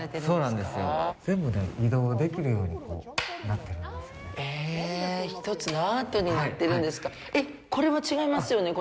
そうなんですよ。